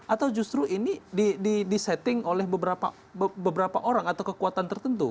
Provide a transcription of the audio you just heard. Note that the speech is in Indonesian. atau justru ini di setting oleh beberapa orang atau kekuatan tertentu